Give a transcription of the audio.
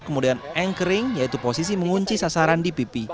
kemudian anchering yaitu posisi mengunci sasaran di pipi